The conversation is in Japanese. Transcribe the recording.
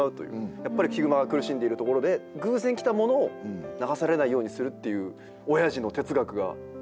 やっぱりヒグマが苦しんでいるところで偶然来たものを流されないようにするっていうおやじの哲学が一瞬で見えたのが。